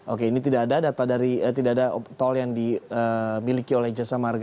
oke ini tidak ada data dari tidak ada tol yang dimiliki oleh jasa marga